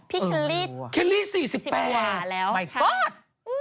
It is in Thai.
พี่เคลลี่๔๘แล้วช่างเคลลี่๔๘แล้วมายก็อด